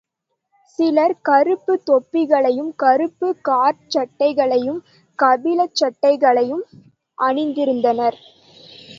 சிலர் கறுப்புத் தொப்பிகளையும் கறுப்புக் காற்சட்டைகளையும், கபிலச்சட்டைகளையும் அணிந்திருந்தனர்.